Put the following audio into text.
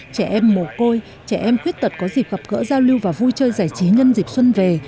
trẻ em mồ côi trẻ em khuyết tật có dịp gặp gỡ giao lưu và vui chơi giải trí nhân dịp xuân về